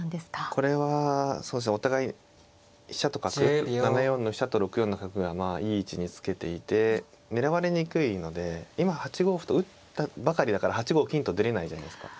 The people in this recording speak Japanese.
これはお互い飛車と角７四の飛車と６四の角がまあいい位置につけていて狙われにくいので今８五歩と打ったばかりだから８五金と出れないじゃないですか。